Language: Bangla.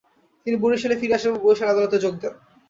তিনি বরিশালে ফিরে আসেন এবং বরিশাল আদালতে যোগদান করেন।